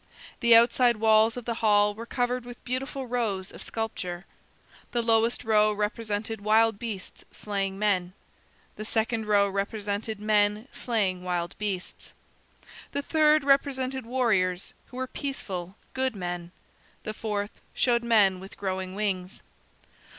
The outside walls of the hall were covered with beautiful rows of sculpture. The lowest row represented wild beasts slaying men. The second row represented men slaying wild beasts. The third represented warriors who were peaceful, good men. The fourth showed men with growing wings.